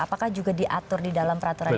apakah juga diatur di dalam peraturan ini